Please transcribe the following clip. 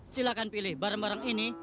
silahkan pilih bareng bareng ini